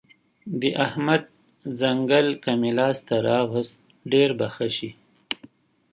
د احمد ځنګل که مې لاس ته راوست؛ ډېر به ښه شي.